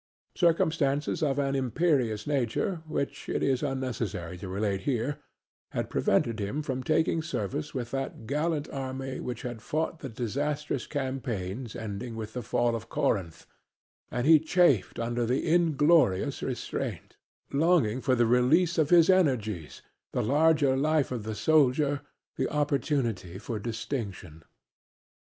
Circumstances of an imperious nature, which it is unnecessary to relate here, had prevented him from taking service with the gallant army that had fought the disastrous campaigns ending with the fall of Corinth, and he chafed under the inglorious restraint, longing for the release of his energies, the larger life of the soldier, the opportunity for distinction.